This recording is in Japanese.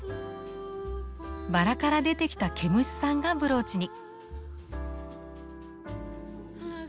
バラから出てきた毛虫さんがブローチに。